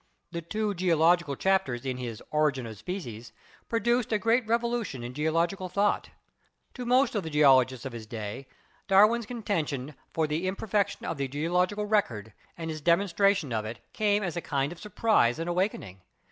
The two geo logical chapters in his "Origin of Species" produced a great revolution in geological thought. To most of the 78 GEOLOGY geologists of his day Darwin's contention for the imper fection of the geological record" and his demonstration of it came as a kind of surprise and awakening.